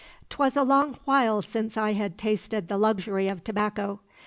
'Twas a long while since I had tasted the luxury of tobacco.